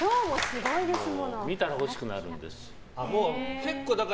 見たら欲しくなるんです。